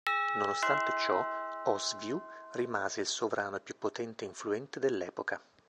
Nonostante ciò, Oswiu rimase il sovrano più potente e influente dell'epoca.